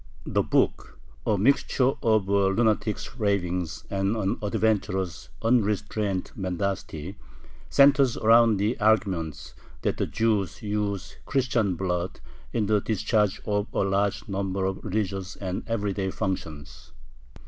The book, a mixture of a lunatic's ravings and an adventurer's unrestrained mendacity, centers around the argument, that the Jews use Christian blood in the discharge of a large number of religious and everyday functions.